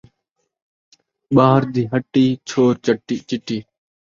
ٻاہر دی ہٹی، چوڑ چپٹی